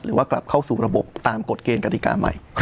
หรือว่ากลับเข้าสู่ระบบตามกฎเกณฑ์กฎิกาใหม่